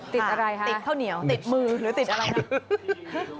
ติดอะไรคะติดข้าวเหนียวติดมือหรือติดอะไรคะ